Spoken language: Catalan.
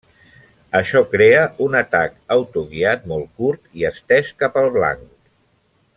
Això crea un atac autoguiat molt curt i estès cap al blanc.